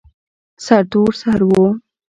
سرتور سر و.